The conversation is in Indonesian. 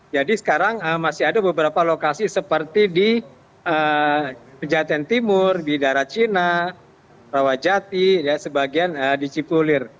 jadi sekarang masih ada beberapa lokasi seperti di penjahatan timur di darah cina rawajati sebagian di cipulir